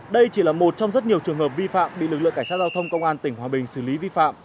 đây chỉ là một trong rất nhiều trường hợp vi phạm bị lực lượng cảnh sát giao thông công an tỉnh hòa bình xử lý vi phạm